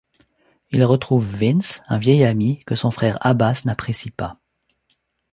Il retrouve Vince, un vieil ami, que son frère Abbas n'apprécie pas.